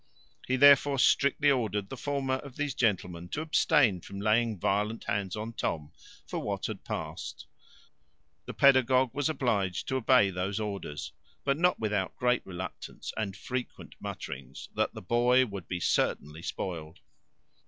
He therefore strictly ordered the former of these gentlemen to abstain from laying violent hands on Tom for what had past. The pedagogue was obliged to obey those orders; but not without great reluctance, and frequent mutterings that the boy would be certainly spoiled.